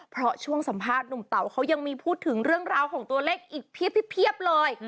เพราะช่วงสัมภาษณ์หนุ่มเต๋าเขายังมีพูดถึงเรื่องราวของตัวเลขอีกเพียบเลย